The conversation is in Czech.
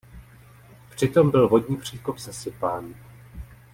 Přitom byl vodní příkop zasypán.